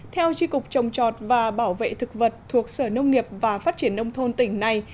theo tri cục trồng chọt và bảo vệ thực vật thuộc sở nông nghiệp và phát triển nông thôn tỉnh này